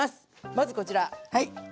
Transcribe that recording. まずこちら。